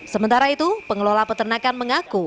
sementara itu pengelola peternakan mengaku